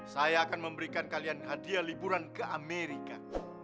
saya akan memberikan kalian hadiah liburan ke amerika